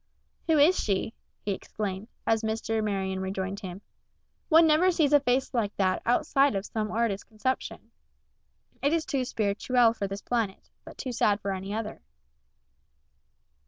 "Who is she?" he exclaimed, as Mr. Marion rejoined him. "One never sees a face like that outside of some artist's conception. It is too spirituelle for this planet, but too sad for any other."